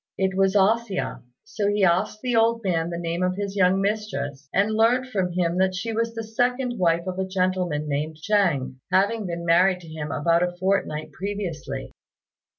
It was A hsia. So he asked the old man the name of his young mistress, and learnt from him that she was the second wife of a gentleman named Chêng, having been married to him about a fortnight previously.